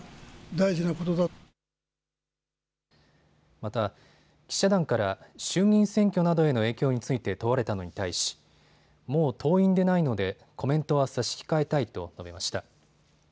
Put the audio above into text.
また、記者団から衆議院選挙などへの影響について問われたのに対しもう党員でないのでコメントは差し控えたいと述べました。